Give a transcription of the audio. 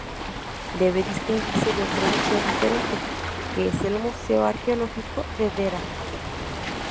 Debe distinguirse de otro museo diferente que es el Museo Arqueológico de Thera.